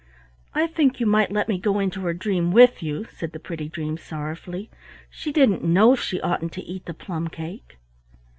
"I think you might let me go into her dream with you," said the pretty dream, sorrowfully. "She didn't know she oughtn't to eat the plum cake."